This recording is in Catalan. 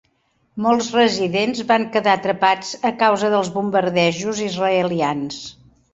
Molts residents van quedar atrapats a causa dels bombardejos israelians.